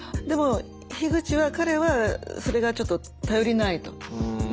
でも樋口は彼はそれがちょっと頼りないと。